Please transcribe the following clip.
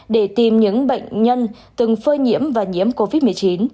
để tìm những bệnh nhân từng phơi nhiễm với covid một mươi chín